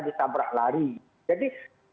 disabrak lari jadi